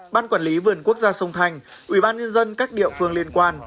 ban quản lý vườn quốc gia sông thanh ủy ban nhân dân các địa phương liên quan